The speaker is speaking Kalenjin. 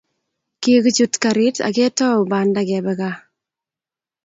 Kikichut garit ak ketou banda kebe gaa